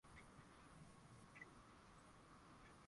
umoja wa mataifa ulianzisha mahakama ya makosa ya jinai